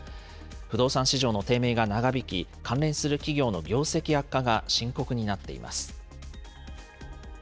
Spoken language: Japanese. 不動産市場の低迷が長引き、関連する企業の業績悪化が深刻になっています。